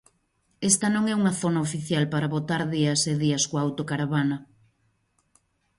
Esta non é unha zona oficial para botar días e días coa autocaravana.